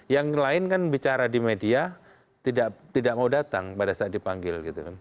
yang lain kan bicara di media tidak mau datang pada saat dipanggil